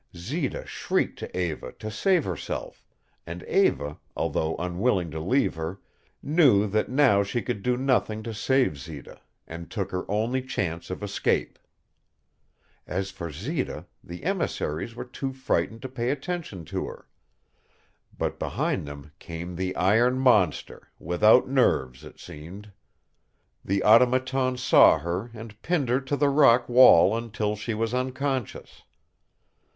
Zita shrieked to Eva to save herself, and Eva, although unwilling to leave her, knew that now she could do nothing to save Zita, and took her only chance of escape. As for Zita, the emissaries were too frightened to pay any attention to her. But behind them came the iron monster, without nerves, it seemed. The Automaton saw her and pinned her to the rock wall until she was unconscious.